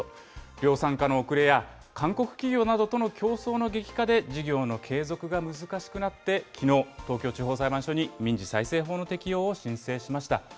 量産化の遅れや韓国企業などとの競争の激化で事業の継続が難しくなって、きのう、東京地方裁判所に民事再生法の適用を申請しました。